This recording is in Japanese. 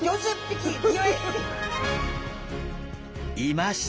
いました！